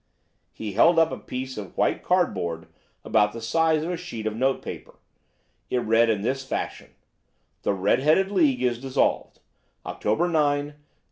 He held up a piece of white cardboard about the size of a sheet of note paper. It read in this fashion: "THE RED HEADED LEAGUE IS DISSOLVED. October 9, 1890."